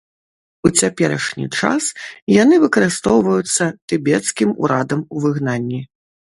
У цяперашні час яны выкарыстоўваюцца тыбецкім урадам у выгнанні.